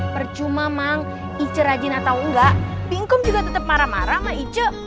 percuma mang ica rajin atau enggak bingkong juga tetep marah marah sama ica